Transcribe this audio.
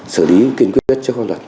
xử lý kiên quyết